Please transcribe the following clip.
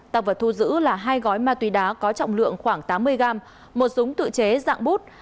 tăng vật thu giữ là hai gói ma túy đá có trọng lượng khoảng tám mươi gram một súng tự chế dạng bút